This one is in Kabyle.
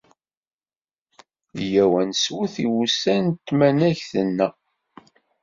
Yyaw ad neswet i wussan n tmanegt-nneɣ!